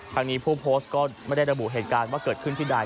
ทางนี้ผู้โพสต์ก็ไม่ได้ระบุเหตุการณ์ว่าเกิดขึ้นที่ใด